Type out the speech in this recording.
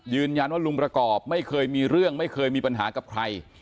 ลุงประกอบไม่เคยมีเรื่องไม่เคยมีปัญหากับใคร